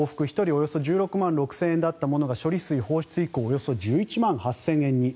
およそ１６万６０００円だったものが処理水放出以降およそ１１万８０００円に。